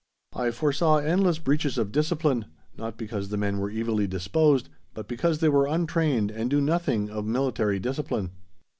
I foresaw endless breaches of discipline, not because the men were evilly disposed, but because they were untrained and knew nothing of military discipline.